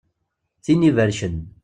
Tin ibercen.